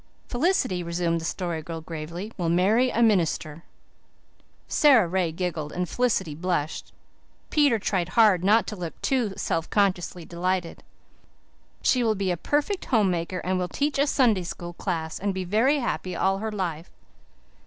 "Felicity," resumed the Story Girl gravely, "will marry a minister." Sara Ray giggled and Felicity blushed. Peter tried hard not to look too self consciously delighted. "She will be a perfect housekeeper and will teach a Sunday School class and be very happy all her life."